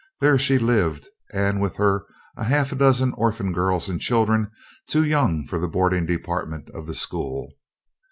There she lived, and with her a half dozen orphan girls and children too young for the boarding department of the school.